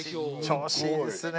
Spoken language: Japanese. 調子いいですね。